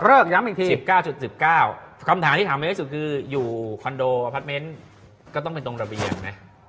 เล็กเล็กเล็กเล็กเล็กเล็กเล็กเล็กเล็กเล็กเล็กเล็กเล็กเล็ก